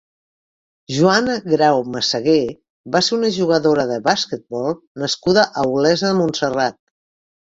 Joana Grau Masagué va ser una jugadora de basquetbol nascuda a Olesa de Montserrat.